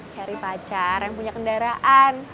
cari pacar yang punya kendaraan